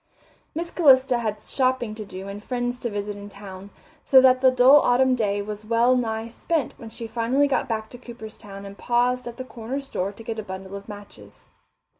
Miss Calista had shopping to do and friends to visit in town, so that the dull autumn day was well nigh spent when she finally got back to Cooperstown and paused at the corner store to get a bundle of matches.